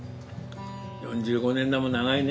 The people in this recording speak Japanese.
４５年だもん長いね。